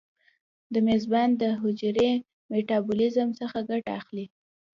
د میزبان د حجرې میتابولیزم څخه ګټه اخلي.